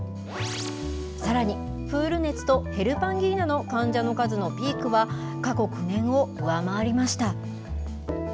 さらにプール熱とヘルパンギーナの患者の数のピークは過去９年を上回りました。